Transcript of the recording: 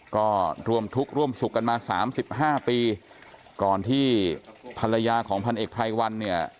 ก็ร่วมทุกข์ร่วมสุขกันมาสามสิบห้าปีก่อนที่ภรรยาของพันเอกไพรวันเนี่ย